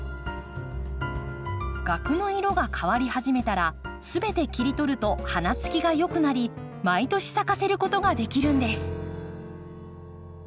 萼の色が変わり始めたら全て切り取ると花つきがよくなり毎年咲かせることができるんです。